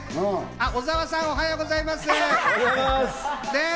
小澤さん、おはようございます。